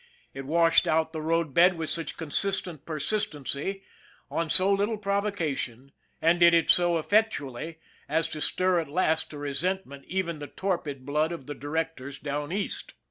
It washed out the road bed with such consistent persistency, on so little provocation, and did it so effectually as to stir at last to resentment even the torpid blood of the directors down East.